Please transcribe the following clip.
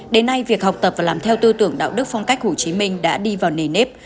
đến nay việc học tập và làm theo tư tưởng đạo đức phong cách hồ chí minh đã đi vào nề nếp